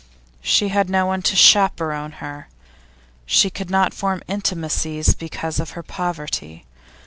She had no one to chaperon her; she could not form intimacies because of her poverty.